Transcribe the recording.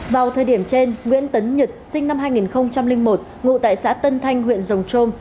vào thời điểm trên nguyễn tấn nhật sinh năm hai nghìn một ngụ tại xã tân thanh huyện rồng trôm